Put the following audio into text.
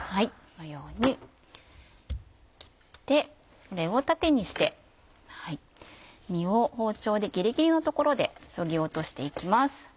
これを縦にして実を包丁でギリギリの所でそぎ落として行きます。